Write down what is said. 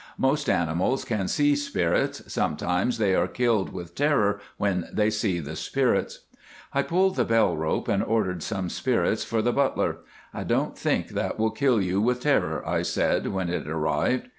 Most animals can see spirits; sometimes they are killed with terror when they see the spirits." I pulled the bell rope and ordered some spirits for the butler. "I don't think that will kill you with terror," I said when it arrived.